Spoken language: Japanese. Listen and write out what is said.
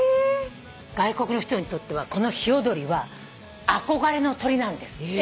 外国の人にとってはこのヒヨドリは憧れの鳥なんです。え！？